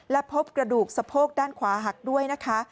และพบกระดูกสะโพกด้านขวาหักด้วยนะคะ